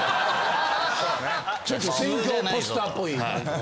ちょっと選挙ポスターっぽい感じ？